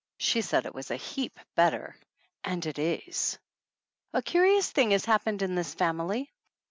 She said it was a heap better, and it is. A curious thing has happened in this family.